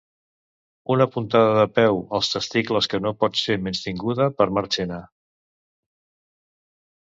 Una puntada de peu als testicles que no pot ser menystinguda per Marchena.